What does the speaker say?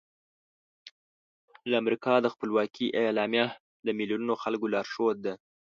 د امریکا د خپلواکۍ اعلامیه د میلیونونو خلکو لارښود ده.